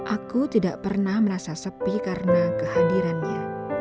aku tidak pernah merasa sepi karena kehadirannya